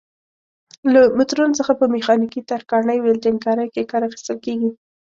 له مترونو څخه په میخانیکي، ترکاڼۍ، ولډنګ کارۍ کې کار اخیستل کېږي.